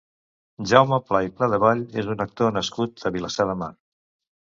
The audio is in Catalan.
Jaume Pla i Pladevall és un actor nascut a Vilassar de Mar.